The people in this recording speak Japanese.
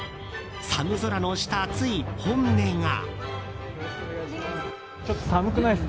寒空の下、つい本音が。